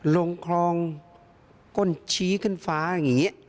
ลงคลองก้นชี้ขึ้นฟ้าอย่างนี้